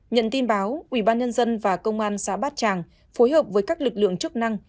nhận tin báo ubnd và công an xã bát tràng phối hợp với các lực lượng chức năng